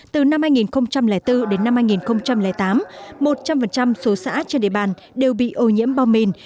từ năm hai nghìn bốn đến năm hai nghìn tám một trăm linh số xã trên địa bàn đều bị ô nhiễm bom mìn